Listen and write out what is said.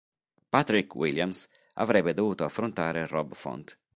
Patrick Williams avrebbe dovuto affrontare Rob Font.